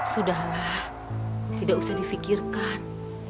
sudahlah tidak usah difikirkan